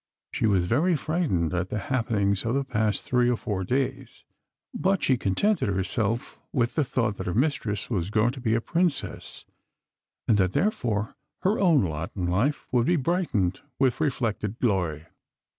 She was very frightened at the happenings of the past three or four days, but she contented herself with the thought that her mistress was going to be a princess, and that, therefore, her own lot in life would be brightened with reflected glory.